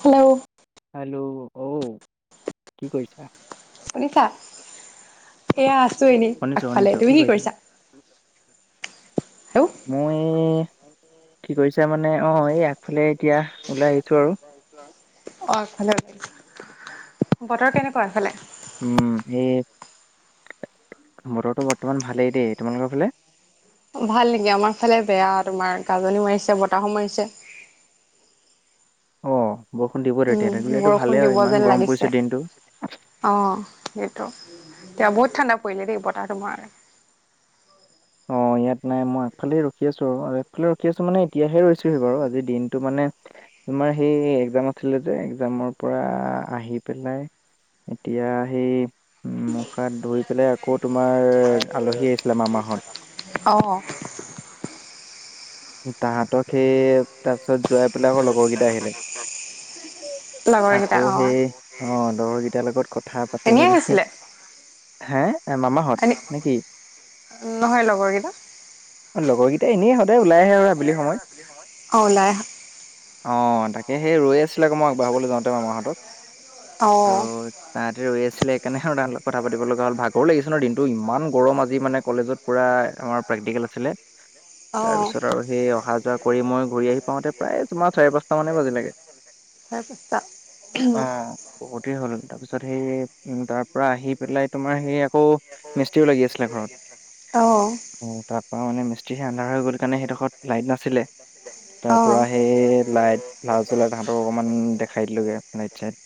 Hello, hello অ, কি কৰিছা? শুনিছা এয়া আছোঁ এনেই আগফালে, তুমি কি কৰিছা? হেল্ল' মই কি কৰিছা মানে অ, এই আগফালে এতিয়া ওলাই আহিছোঁ আৰু। অ, এফালে বতৰ কেনেকুৱা এফালে? উম, এই বটৰটো বৰ্তমান ভালেই দেই তোমালোকৰ ফালে? ভাল নেকি? আমাৰ ফালে বেয়া তোমাৰ গাজনি মাৰিছে বতাহো মাৰিছে। অ, বৰষুণ দিব [inaudible] উম দিলেতো বৰষুণ ভালেই আৰু দিব ইমান যেন গৰম লাগিছে পৰিছে দিনটো অ, সেইটো এতিয়া বহুত ঠাণ্ডা পৰিলে দেই বতাহটো মৰা। অ, ইয়াত নাই মই আগফালে ৰখি আছোঁ আৰু আগফালে ৰখি আছোঁ মানে এতিয়াহে ৰৈছোঁহি বাৰু আজি দিনটো মানে। তোমাৰ সেই এক্জাম আছিলে যে এক্জামৰ পৰা আহি পেলাই এতিয়া সেই উ, মুখ হাত ধুই পেলাই আকৌ তোমাৰ আলহী আহিছিলে মাৰ মামাৰ ঘৰত। অ, তাহতক সেই তাৰ পিছত যোৱাই পেলাই আকৌ লগৰ কেইটা আহিলে। লগৰকেইটা আকৌ অ সেই অ লগৰকেইটাৰ লগত কথা পাতি এনেই মেলি আহিছিলে হা? এ মামাহত এনে নেকি? নহয় লগৰকেইটা লগৰকেইটাই এনেই সদায় ওলাই আহে আৰু আবেলি সময়ত অ, ওলাই আহা? অ, তাকে সেই ৰৈ আছিল আক মই আগবঢ়াবলৈ যাওঁতে মামাহঁতক। অ, ত' তাহাঁতে ৰৈ আছিলেেইকাৰেহ তাহাঁত কথা পাতি লগা হ'ল ভাগৰ লাগিছে ন দিনটো ইমান গৰম আজি মানে কলেজত। পূৰা আমাৰ প্ৰেক্টিকেল আছিলে। অ তাৰপিছত আৰু সেই অহা যোৱা কৰি মই ঘূৰি আহি পাওঁতে প্ৰায় তোমাৰ চাৰি পাঁচটা মানে বাজিলেগে। অ', [inaudible] বহুতেই হ'ল তাৰ পিছত সেই উম, তাৰ পৰাৰা আহি পেলাই তোমাৰ সেই আকৌ, মিস্ত্ৰীও লাগি আছিলে ঘৰত অ তাৰপৰা মানে মস্ত্ৰী স আন্ধ হৈ গল, কাৰণ সেইডোখৰ লাইট নাছিলে তাৰ অ পৰা সেই লাইট জলাই তাহতৰ অকমান দেখাই দিলোগে ৰাইট চাইট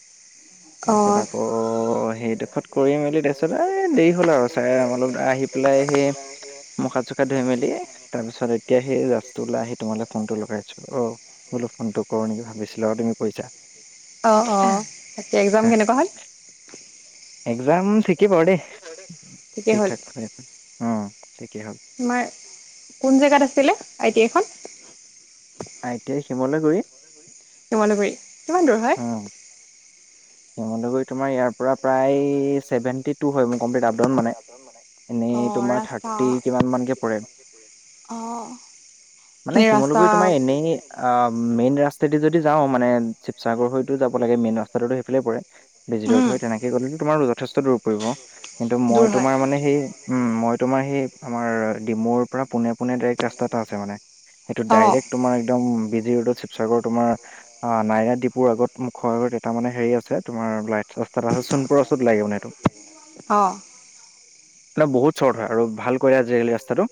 অ তাৰপিছত, অ আকৌ সেইডোখত কৰিম বুলিলি তাৰপিছত এই দেৰি হ'ল আৰু চাই অলপ আহি পেলাই সেই মুখা চোখা ধুই মেলি তাৰ পিছত এতিয়া সেই ল আহি তোমালৈ ফোনটো লগাইছো, অ মো ফোনটো কৰো নেকি ভাবিছিলো আৰু তুমি কৈছা অ ', অ', তাকে, এক্জাম কেনেকুৱা হ'ল এক্জাম ঠিকেই বাৰ দেই, ঠিকেই ঠিক হ'ল ঠাক হৈ আছে ঠিকেই হ'ল তোমাৰ কোন জেগাত আছিলে আই টিখন আই, টি, আই, শিমলু গুৰি শিমলুগুৰি কিমান দূৰ হয়? উম শিমলুগুৰি তোমাৰ ইয়াৰ পৰা প্ৰায় চেভেণ্টি টু হয়, মোৰ কমপ্লিট আপ ডাউন মানে, এনেই তোমাৰ থাৰ্টি কিমান মানকৈ পৰে অ', মানে, শিমলুগুৰি তোমাৰ এনেই মেইন ৰাস্তাইদি যদি যাওঁ মানে, শিৱসাগৰ হৈতো যাব লাগে মেইন ৰাস্তাটোতো ফালে পৰে উম [unintelligible] হৈ তেনেকে গলে, তোমাৰ যথেষ্ট দূৰ পৰিব কিন্তু দূৰ মই হয় তোমাৰ মানে সেই উম, মই তোমাৰ সেই আমাৰ ডিমুৰ পৰা পোনে পোনে ডাইৰেক্ট ৰাসা এটা আছে মানে, সেইটো অঁ ডাইৰেক্ট তোমাৰ একদম বিজি ৰোডত শিৱসাগৰ তোমাৰ, অ নাইৰা দ্বীপুৰ আগত মুখ আগৰত এটা মানে, হেৰি আছে তোমাৰাই চস্তা এটা হল চোণপুৰৰ ওচৰত লাগে মানে এইটো [unintelligible] বহুত চৰ্ট হয়, আৰু ভাল কৰিলে আজিকালি ৰাস্তাটো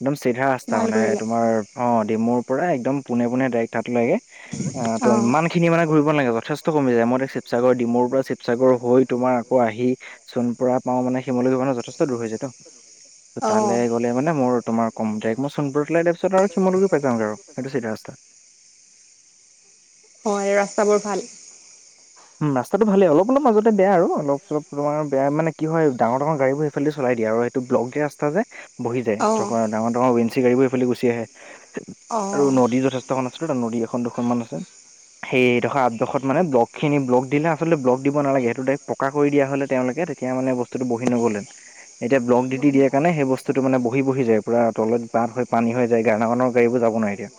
একদম চিধা ৰাস্তা ভাল মানে কৰিলে তোমাৰ অ', ডিমুৰ পৰা একদম পোনে পোনে ডাইৰেক্ট হাত লাগে অ ত অঁ ইমান খিনি মানে ঘূৰিবালাগে, যথেষ্ট কমি যায় মই এটা শিসাগৰ ডিমৰ পৰা শিসাগৰ হৈ তোমাৰ আকৌ আহি, চণপুৰা পাও মানে শিমলী মানৰ যথেষ্ট দূৰ হৈ যায় ত অঁ তালৈ মানে, মোৰ তম কমাইক মইোননুৰতলৈাই তাৰপিছ আৰু শিমলুৰি পাই যাওঁগ আৰু, সটো চিা ৰাসা হয়, ৰাস্তাবোৰ ভাল উম ৰা্তটোাল অলপ অলপ মাজতে বেয়া আৰু অলপ চলপ তমাৰ বেয়া মানে, কি হয় ডাৰ ডাঙৰ গাড়ীবোৰ সফালে চলাই দিয়ে ব্লগে আসা যায় বহি যায়, অঁ থকা ডাঙৰ ডাঙৰ ৱেনঞ্চি গাড়ীবোৰ এইফালে গুচি আহে আৰু অঁ নদী যথেষ্ট খন আছিল নদী এখন দুখন মান আছে, সেই এডোখ আঠডোখত মানে ব খিনি ব্ল দিলে, আচল ব্লক দিব নালাগে, সটোৰেক্টকা কৰি দিয়া হলে তেওঁলোকে তেতিয়াানে বস্তুটো বহি নগ'লে [unintelligible] এতিয়া ব্লক দি বহি দিয়াৰ কাৰে সেই বস্তুটো মানে বহি যায়, পৰা তত বাট হৈ পানী হৈ যায় গান গানৰ গাড়ীবোৰ যাব নাই এতিয়া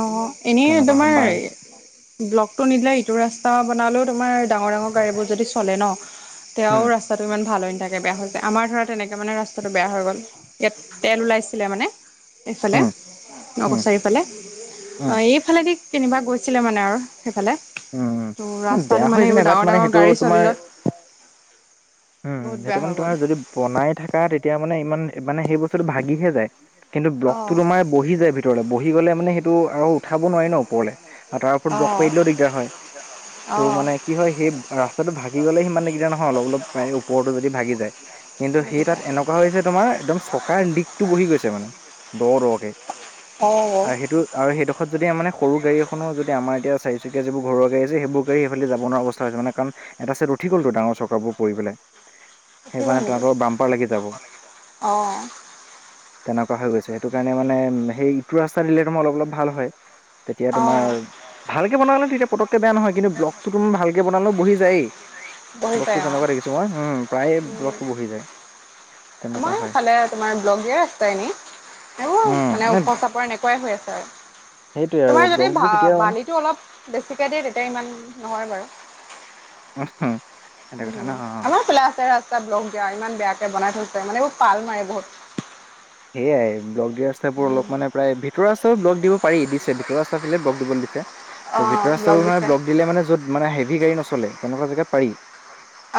অ', নেই তেনেকুৱা তোমাৰ বাইক ব্লকটো নিদিলে, ইটো ৰাস্তা বনালেও তোাৰ ডাঙৰ ডাঙৰ গাড়ীবোৰ যদি চলে ন তেওঁ উম ৰাস্তাটো ইমান ভাল হৈ নাথাকে, বেয়া হৈছোয় আমাৰ ধৰা তেনেকে মানে ৰাস্তাটো বেয়া হৈ গ'ল, এতিয়া তেল ওলাইছিলে মানে এইফালে উম ন উম কছাৰিফালে উম এইফালেদি কনিবা গৈছিলে মানে, আৰু সেইফালে উম ত' ৰাস্তাটো বেয়া হৈ মানে যে, এইবোৰ বাট ডাঙৰ মানে ডাঙৰ সেইটো গাড়ী তোমাৰ চলিলত উম, বহুত সেইটো বেয়া হৈ মানে গ'ল তোমাৰ যদি বনাই থকা তেতিয়া মানে, ইমান মানে সেই বস্তুটো ভাগিহে যায় কিন্তু ব্লগতো অ', তোমাৰ বহি যায় ভিতৰলৈ বহি গ'লে মানে সেইটো আৰু উঠাব নোৱাৰি ন ওপৰলে, আৰু তাৰ ওপৰত লগ অ', পাৰ দিলেও দিগদাৰ হয় ত' অ', মানে কি হয়, সেই ৰাস্তাটো ভাগি গ'লে সিমানেগদা নহয় অলপ অলপ ওপৰতো যদি ভাগি যায় কিন্তু লাগি সেই তাত যায় এনেকুৱা হৈছে তোমাৰ একদম চকাৰ লিকটো বহি গৈছে মানে [unintelligible] অ'। আৰু সেইটো আৰু সেইডোখৰত যদি মানে সৰু গাড়ীখনো যদি আমাৰ এতিয়া চকীয়া যোৰ ঘৰুৱা আছেই সেইবোৰ এইালে যাব নোৱাৰা অৱস্থা হৈছে মানে কাণ এটা চাইট উঠি গ'ল তো ডাঙৰ চকাবোৰ পৰি পেলাই উঠিব সেইকাৰণে নেকি তোহতৰ বাম্পাৰ লাগি যাব। অ', তেনেকুৱা হৈ গৈছে সেইটো কাৰণে মানে সেই ইটো ৰাস্তা দিলেতো মই অলপ অলপ ভাল হয়। তেতিয়া অ', তোমাৰ ভালকে বনালে তেতিয়া পকেটকে বেয়া নহয় কিন্তু বব্ল'গতো তোৰ ভালকে বনালে বহি যায়েই বহি ব্লগটো যায় অ'। যেনেকুৱা দেখিছোঁ মই প্ৰায়ে ব্লগটো বহি যায়। তেনেকুৱা মাৰ হয় ফালে তোমাৰ ব্লগে আছেহি। এইবোৰ মানে ওখৰ চাপৰ এনেকুৱাই হৈ আছে আৰু। সেইটোৱে আৰু তোমাৰ যদি ব্লগবোৰ কেতিয়াও মানে বালিটো অলপ বেছিকে দিয়ে তেতিয়া ইমান নহয় বাৰু। আচ্ছা। উম আমাৰ ফালে আছে ৰাস্তা ব্লক দিয়া ইমান বেয়াকে বনাই থৈছে মানে এইবোৰ পাল মাৰে বহুত সেয়াই ব্লক দিয় ৰাস্তাবোৰ উম অলপ মানে প্ৰায় ভিত ভিতৰ ৰাস্তা ব্লক দি পাৰি দিছে ভিতৰ ৰাস্তা ফালে ব্লক দিবলৈ দিছে অ ত ভিতৰ ৰাস্তা মানে দিছে ব্লক দিলে মান য'ত মানে হেভি গাড়ী নচলে তেনেকুৱা জেগাত পাৰি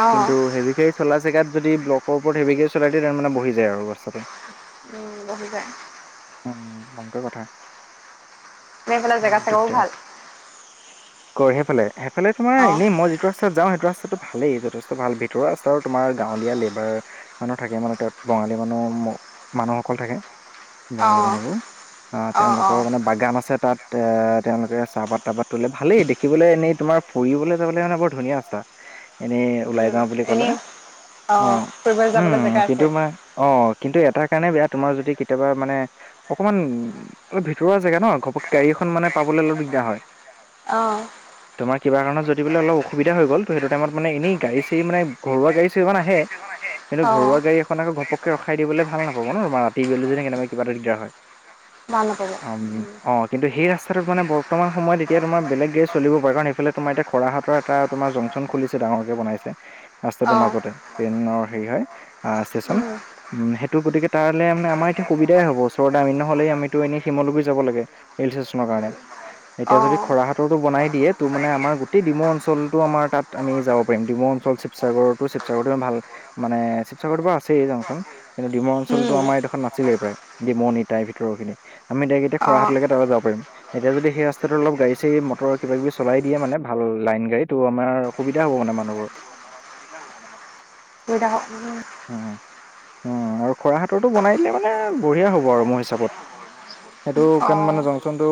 অ কিন্তু হেভি গাড়ী চল জেগাত যদি ব্লকৰ ওপৰত হেৱীকে চলাই দিয়ে তাৰ মানে বহি যায় আৰু ৰাস্তাটো উম বহি যায়। উম ভংকে কথা এনে এইফালে জেগা ঠিক। চেগাও ভাল কৰ সেইফালে সেইফালে তোমাৰ অ এনেই মই যিটো ৰাস্তা ৰাস্তাত যাওঁ সেইটো ৰাস্তাটো ভালেই যথেষ্ট ভাল ভিতৰুৱা ৰাস্তা তোমাৰ গাঁৱলীয়া লেবাৰ মানুহ থাকে মানে তাত বঙালী মানুহ মানুহসকল থাকে অ বঙালী মানুহবোৰ অ অ তেওঁলোকৰ মানে বাগান আছে তাত এ তেওঁলোকে চাহপাত তাহপাত তোলে ভালেই দেখিবলৈ এনেই তোমাৰ ফুৰিবলৈ যাবলে মানে বৰ ধুনীয়া ৰাস্তা এনেই ওলাই যাওঁ বুলি কলে এনেই অ', ফুৰিবলৈ যাবলৈ উম জেগা আছে কিন্তু মই অ', কিন্তু এটাৰ কাৰণে বেয়া তোমাৰ যদি কেতিয়াবা মানে অকণমান অলপ ভিতৰুৱা জেগা ন ঘপকে গাড়ী এখন মানে পাবলৈ অলপ দিগদাৰ হয়। অহ। তোমাৰ কিবা কাৰণত যদি বোলে কাৰত অলপ অসুবিধা যদিলে হৈ গ'ল ত' সেইটো অলপ টাইমত মানে অসুবিধা এনেই গাড়ী ন চাড়ী মানে [unintelligible] ঘৰুৱা গাড়ী এই চাড়ী ইমান আহে খন একে। কিন্তু ঘৰুৱা় গাড়ীএখন আক ঘপক ৰখাই দিবলৈ ভাল নাপাব নম ৰাতি বেলি নে কেনো কিবাটা দিগদাৰ হয়। ভাল নাপাব আমি। অ', কিন্ত সেই ৰাস্তাটো মানে বৰ্তমানয়ত এতিয়া তোমাৰ বেলেগ গাড়ী চলিব পাৰে কাৰ সেইফালে তোমাৰতিয়া খ হঁতৰ তোমাৰ জংচন খুলিছে ডাঙৰকে বনাইছে। ৰাস্তাটোৰ অ মাজতে ট্ৰেইনৰ হেৰি হয় ষ্টেচন উম ত গতিক তাৰ মে আম এতিয়া সুবিধাই হব ওচৰ আম নহলেই আমিতো এনে শিমলু যাব লাগে। ৰেল ষ্টেচনৰ কাৰণে এতিয়া যদি অ', খৰাহাত টো বনাই দিয়ে ত' মানে আমাৰ গোট ডিমু অঞ্চলটো আমাৰ তাত আমি যাব পাৰিম ডিমু অল শিৱসাগৰতো শিৱসাগৰ ভাল মানে শিৱসাগৰৰ তোৰ টৰাই পৰা আছেই যাওঁচোন। কিন্তু ডিমাৰ অঞ্চলটো উম, আমাৰ এই দেয়াখখন নাছিলেই প্ৰায় ডিমনি তাইৰ ভিতৰ খিনি আমি ডাইৰেক্ট এতিয়া খোৰা অ', হাতলৈকে তাত যাব পাৰিম। এতিয়া যদি সেই ৰাস্তাতটো অলপ গাড়ী চাডী মটৰ কিবা কিবি চলাই দিয়ে ভাল লাইন গাড়ী তো আমাৰ সুধা হ'ব মানুহ বোৰ। [unintelligible] [unintelligible] উ, উম আৰু খৰা হাতৰটো বনাই দিলে মানে বঢ়িয়া হ'ব আৰু মোৰ হিচাপত। সেইটো কাৰণ অ', মানে জংচন টো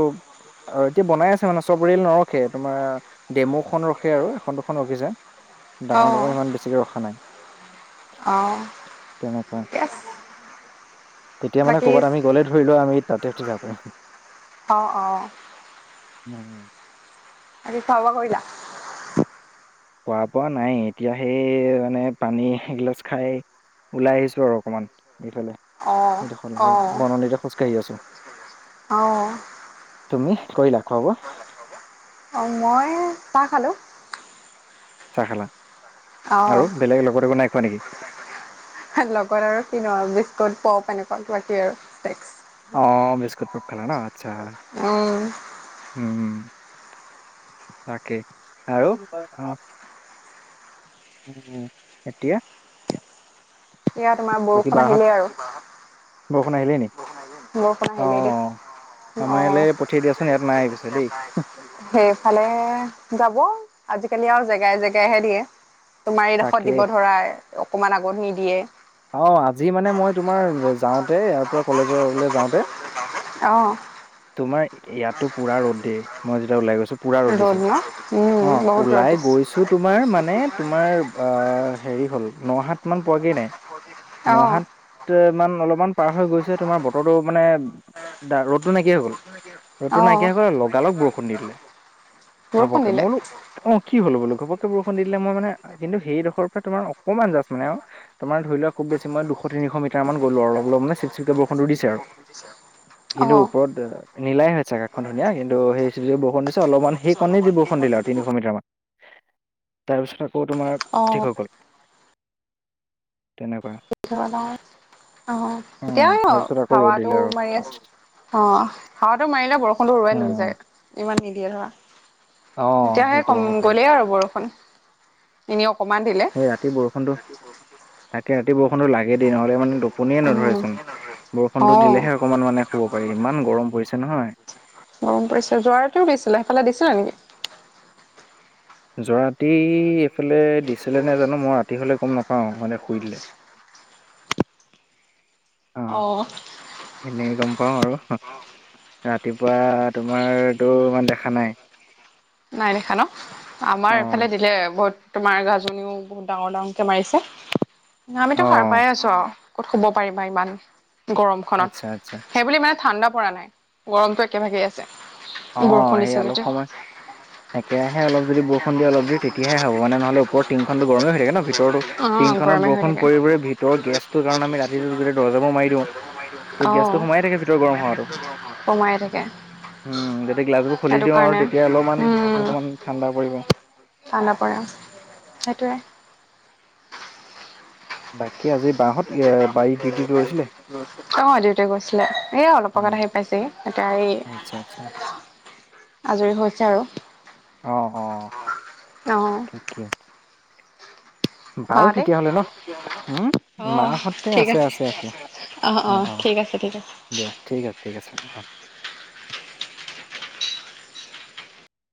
আৰু এতিয়া বনাই আছে মানে চব ৰেল নৰখে তোমাৰ ডেমু খন ৰখে আৰু এখন দুখন ৰখিছে ডাঙৰ অ', ডাঙৰ ইমান বেছিকে ৰখা নাই। অহ। তেনেকুৱা, তেতিয়া মানে বাকী কৰ'বাত আমি গ'লে ধৰিলোৱা, আমি তাতে এৰি থৈ যাব পাৰিম। অ', অ'। [unintelligible] আজি খোৱা বোৱা কৰিলা? খোৱা বোৱা নাই, এতিয়া সেই মানে পানী এগিলাচ খাই ওলাই আহিছো আৰু অকমান এইফালে। অ', এইডোখৰলৈকে, অ', বননিতে খোজকাঢ়ি আছো। অ'। তুমিহ কৰিলা খোৱা বোৱা? অ', মই চা খালোঁ। চাহ খালা, অ', আৰু বেলেগ লগত একো নাইখোৱা নেকি? লগত আৰু কিনো আৰু বিস্কুট, পপ এনেকুৱা কিবা কিবি আৰু [unintelligible] অ', বিস্কুট পপ খালা ন, আচ্ছা। অ'। উ, উ, তাকে, আৰু? অ'। উ, উ, এতিয়া? এয়া তোমাৰ বাকী বৰষুণ বাহঁত আহিলেই আৰু। বৰষুণ আহিলেই নি? বৰষুণ অ আহিলেই দেহ। আমাৰ অ'। ইয়ালৈ পঠিয়াই দিয়াচোন নাই পিছে ইয়াত দেই নাই। সেইফালে যাব। আজিকালি আৰু জেগাই জেগাইহে দিয়ে। তোমাৰ এইডোখৰত তাকে দিব ধৰা, অকমান আগত নিদিয়ে। অ', আজি মানে মই তোমাৰ যাওঁতে, ইয়াৰ পৰা কলেজৰ লৈ যাওঁতে। অ'। তোমাৰ, ইয়াতো পুৰা ৰ'দ দেই, মই যেতিয়া ওলাই গৈছো। পূৰা ৰ'দ দিছে। ন উম অ', বহুত ৰ'দ ওলাই দিছে। গৈছোঁ তোমাৰ মানে তোমাৰ হেৰি হ'ল নহাত মান পোৱাগে নাই। [unintelligible] নহাত তে মান অলপমান পাৰ হৈ গৈছে, তোমাৰ বতৰটো মানে দা ৰদটো নাইকিয়া হৈ গ'ল। ৰ'দতো অ', নাইকিয়া হৈ গ'ল, লগালগ বৰষুণ দি দিলে। বৰষুণ হাউবকে, দিলে মই বোলো অ', কি হ'ল বোলো ঘপককে বৰষুণ দি দিলে মই মানে, কিন্তু সেইডোখৰ পৰা তোমাৰ অকমান জাষ্ট মানে আও। তোমাৰ ধৰি লোৱা খুব বেছি মই দুশ তিনিশ মিটাৰমান গলো আৰু অলপ অলপ মানে চিপ্‌ চিপ্‌কে বৰষুটো দিছে আৰু। কিন্তু অ', ওপৰত নীলাই হৈ আছে আকাশখন ধুনীয়া কিন্তু, সেই চিপ্‌ চিপ্‌ বৰষুণ দিছে অলপমান সেই কণে যি বৰষুণ দিলে আৰু তিনিশ মিটাৰ মান। তাৰপিছত আকৌ তোমাৰ। ঠিক অ'। হৈ গ'ল তেনেকুৱা। [unintelligible] অ', এতিয়া উম ও তাৰপিছত আকৌ ৰ'দ হাৱাটো দিলে আৰু মাৰি আছে। অ'। হাৱাটো মাৰিলে বৰষুণটো উৰুৱাই লৈ উম যায়। ইমান নিদিয়ে ধৰা। অ এতিয়াহে কম সেইটোৱে সেইটোৱে গ'লেই আৰু বৰষুণ। এনে অকমান দিলে। সেই ৰাতি বৰষুণটো, তাকে ৰাতি বৰষুণটো লাগে দেই নহ'লে মানে টুপ। পনিয়ে উম, নধৰেচোন। বৰষুণটো অ'। দিলেহে অকণমান মানে শুব পাৰি ইমান গৰম পৰিছে নহয়। গৰম পৰিছে যোৱা ৰাতিও দিছিলে, সেইফালে দিছিলে নেকি? যোৱাৰাতি এইফালে দিছিলে নাই জানো মই ৰাতি হ'লে গম নাপাওঁ, মানে শুই দিলে। অ'। এনেই গম পাওঁ আৰু। ৰাতিপুৱা তোমাৰতো ইমান দেখা নাই। নাই দেখা ন? আমাৰ অ এইফালে দিলে, বহুত তোমাৰ গাজনিও বহুত ডাঙৰ ডাঙৰকে মাৰিছে। অ', আমিতো সাৰপাই আছো আৰু, ক'ত শুব পাৰিবা ইমান গৰমখনত। আচ্ছা আচ্ছা সেইবুলি ইমান ঠাণ্ডা পৰা নাই, গৰমটো একেভাগেই আছে। অ', বৰষুণ সেই দিছে অলপ যে। সময় [inaudible] একেৰাহে অলপ যদি বৰষুণ দিয়ে অলপ দেৰি তেতিয়াহে হব মানে নহলে ওপৰত টিংখনটো গৰমে হৈ থাকে ন ভিতৰতো অ', টিংখনত গৰমে হৈ বৰষুণ থাকে। পৰি পৰি ভিতৰৰ গেছটো কাৰণ আমি ৰাতিটোত গোটেই দৰ্জাবোৰ মাৰি দিওঁ। তো গেছটো সোমাই থাকে ভিতৰত গৰম হাৱাটো। কমাই থাকে। যদি গিলাছবোৰ খুলি সেইটো দিওঁ আৰু কাৰণে তেতিয়া অলপমান উম, অকণমান ঠাণ্ডা পৰিব। ঠাণ্ডা পৰা, সেইটোৱে। বাকী আজি বাহঁত এ, বাৰী ডিউটিত গৈছিলে? [unintelligible] অ' দেউতাই গৈছিলে এ অলপ আগত উম, আহি পাইছেহি এতিয়া এই আচ্ছা আচ্ছা আজৰি হৈছে আৰু, অ', অ', ঠিকে অ'। বাৰু মাহঁতে তেতিয়াহ'লে ন অ', মাহঁতে ঠিক আছে আছে আছে, অ'। ঠিক আছে ঠিক আছে। দিয়া ঠিক আছে, ঠিক আছে অ'।